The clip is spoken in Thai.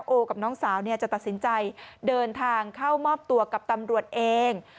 กับน้องสาวจะตัดสินใจเดินทางเข้ามอบตัวกับตำรวจเอง